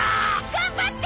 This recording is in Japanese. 頑張って！